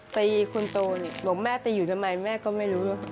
ตีคนโตบอกแม่ตีอยู่ทำไมแม่ก็ไม่รู้